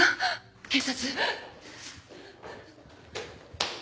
警察？